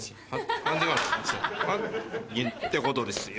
ハハハ！ってことですよ。